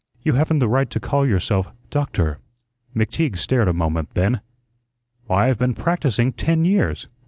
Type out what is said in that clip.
You haven't the right to call yourself, 'doctor.'" McTeague stared a moment; then: "Why, I've been practising ten years.